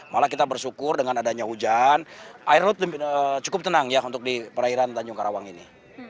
malah kita bersyukur dengan adanya hujan air laut cukup tenang ya untuk di perairan tanjung karawang ini